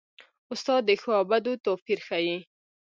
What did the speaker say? استاد د ښو او بدو توپیر ښيي.